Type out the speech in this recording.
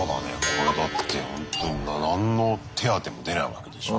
これだってほんとに何の手当も出ないわけでしょ。